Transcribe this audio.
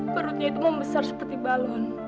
perutnya itu membesar seperti balun